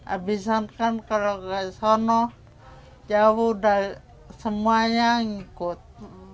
abisan kan kalau ke sana jauh semuanya ngikut